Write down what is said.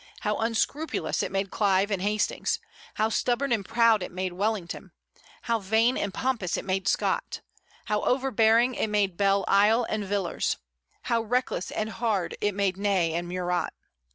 How unscrupulous it made Clive and Hastings! How stubborn and proud it made Wellington! How vain and pompous it made Scott! How overbearing it made Belle Isle and Villars! How reckless and hard it made Ney and Murat!